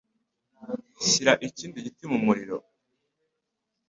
Shira ikindi giti mumuriro.